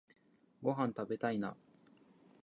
ごはんたべたいな